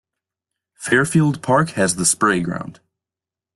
Fairfield Park has the Sprayground.